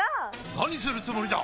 何するつもりだ！？